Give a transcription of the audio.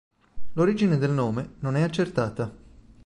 L'origine del nome non è accertata.